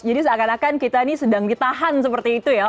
jadi seakan akan kita ini sedang ditahan seperti itu ya